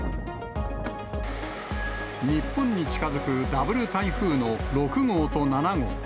日本に近づくダブル台風の６号と７号。